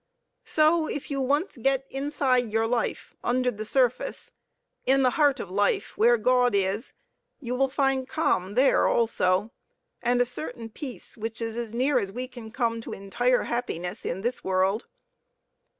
So if you once get inside your life, under the surface, in the heart of life where God is, you will find calm there also and a certain peace which is as near as we can come to entire happiness in this world.